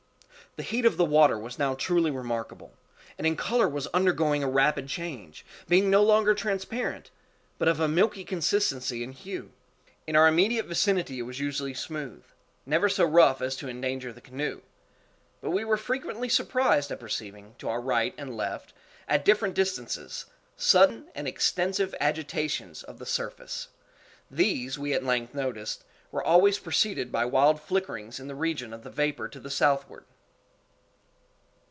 _ The heat of the water was now truly remarkable, and in color was undergoing a rapid change, being no longer transparent, but of a milky consistency and hue. In our immediate vicinity it was usually smooth, never so rough as to endanger the canoe—but we were frequently surprised at perceiving, to our right and left, at different distances, sudden and extensive agitations of the surface; these, we at length noticed, were always preceded by wild flickerings in the region of vapor to the southward.